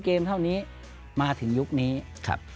ครับ